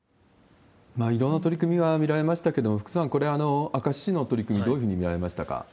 いろんな取り組みが見られましたけど、福さん、これ、明石市の取り組み、どういうふうに見られましたか？